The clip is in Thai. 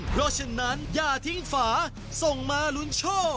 เพราะฉะนั้นอย่าทิ้งฝาส่งมาลุ้นโชค